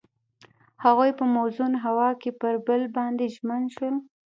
هغوی په موزون هوا کې پر بل باندې ژمن شول.